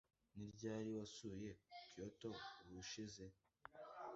Ni ryari wasuye Kyoto ubushize?